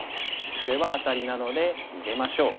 これはアタリなので逃げましょう。